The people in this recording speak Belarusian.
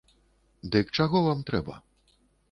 Дык чаго вам трэба?